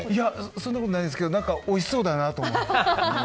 そんなことないですけどおいしそうだなと思って。